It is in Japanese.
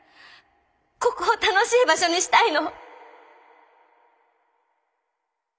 ここを楽しい場所にしたいの。